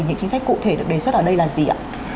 những chính sách cụ thể được đề xuất ở đây là gì ạ